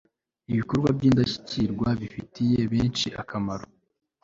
ibikorwa by'indashyikirwa bifitiye benshi akamaro